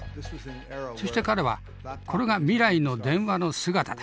そして彼は「これが未来の電話の姿だ。